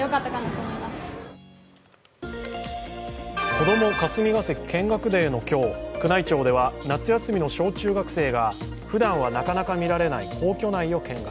こども霞が関見学デーの今日、宮内庁では夏休みの小中学生がふだんはなかなか見られない皇居内を見学。